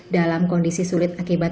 dalam kondisi sulit akibat